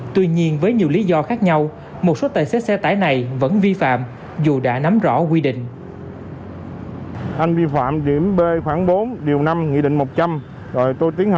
tuy nhiên với nhiều lý do khác nhau một số tài xế xe tải này vẫn vi phạm dù đã nắm rõ quy định